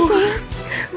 udah udah sayang